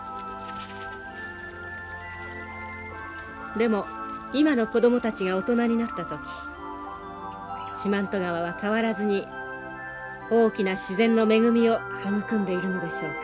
でも今の子供たちが大人になった時四万十川は変わらずに大きな自然の恵みを育んでいるのでしょうか。